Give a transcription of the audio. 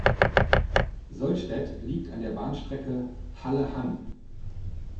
Sollstedt liegt an der Bahnstrecke Halle–Hann.